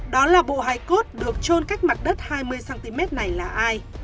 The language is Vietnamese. đó là bộ hải cốt được trôn cách mặt đất hai mươi cm này là ai